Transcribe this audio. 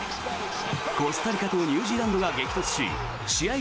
コスタリカとニュージーランドが激突し試合